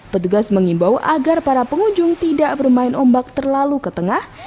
petugas mengimbau agar para pengunjung tidak bermain ombak terlalu ke tengah